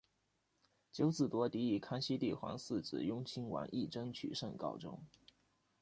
九子夺嫡以康熙帝皇四子雍亲王胤禛取胜告终。